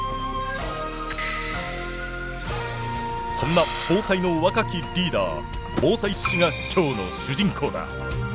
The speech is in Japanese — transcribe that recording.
そんな防災の若きリーダー防災志士が今日の主人公だ！